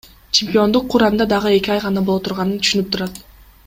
Чемпиондук кур анда дагы эки ай гана боло турганын түшүнүп турат.